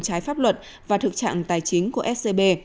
trái pháp luật và thực trạng tài chính của scb